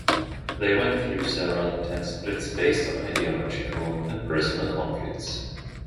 They went through several intense splits based on ideological and personal conflicts.